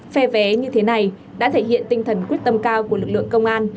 phe vé như thế này đã thể hiện tinh thần quyết tâm cao của lực lượng công an